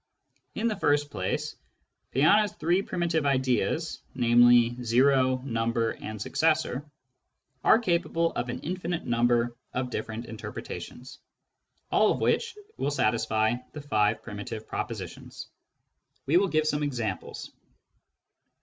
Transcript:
In the first place, Peano's three primitive ideas — namely, " o," " number," and " successor "— are capable of an infinite number of different interpretations, all of which will satisfy the five primitive propositions. We will give some examples.